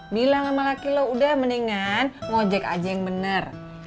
bilang sama laki lo udah mendingan ngojek aja yang bener